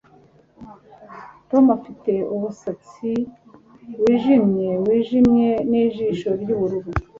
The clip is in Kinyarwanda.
Tom afite umusatsi wijimye wijimye nijisho ryubururu